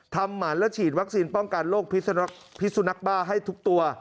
ทำหมันแล้วฉีดวัคซีนป้องกันโรงพฤศนาคบ้าให้ทุกตัว